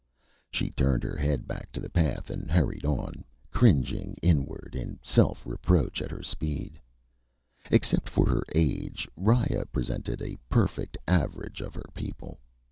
She turned her head back to the path and hurried on, cringing in inward self reproach at her speed. Except for her age, Riya presented a perfect average of her people.